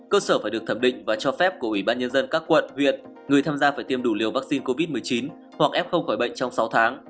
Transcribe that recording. cơ sở phải được thẩm định và cho phép của ủy ban nhân dân các quận huyện người tham gia phải tiêm đủ liều vaccine covid một mươi chín hoặc f khỏi bệnh trong sáu tháng